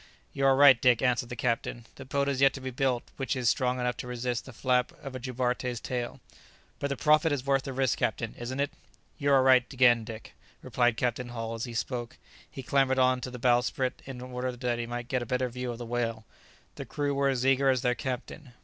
"You are right, Dick," answered the captain; "the boat has yet to be built which is strong enough to resist the flap of a jubarte's tail." "But the profit is worth the risk, captain, isn't it?" "You are right again, Dick," replied Captain Hull, and as he spoke, he clambered on to the bowsprit in order that he might get a better view of the whale. The crew were as eager as their captain.